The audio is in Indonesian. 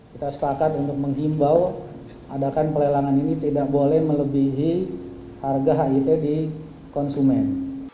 kita sepakat untuk menghimbau adakan pelelangan ini tidak boleh melebihi harga hit di konsumen